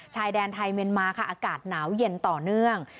ชายแดนไทยเมียนมาค่ะอากาศหนาวเย็นต่อเนื่อง